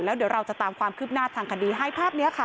แล้วเดี๋ยวเราจะตามความคืบหน้าทางคดีให้ภาพนี้ค่ะ